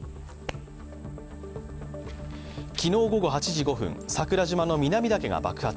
昨日午後８時５分、桜島の南岳が爆発。